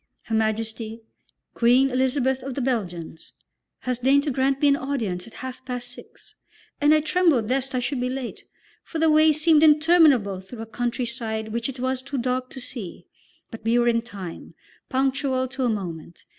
Her Majesty, Queen Elizabeth of the Belgians, has deigned to grant me an audience at half past six, and I trembled lest I should be late, for the way seemed interminable through a countryside which it was too dark to see; but we were in time, punctual to a moment.